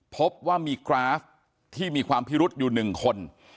พบว่ามีกราฟที่มีความพิรุษอยู่๑คน